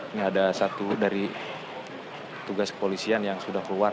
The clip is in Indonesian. ini ada satu dari tugas kepolisian yang sudah keluar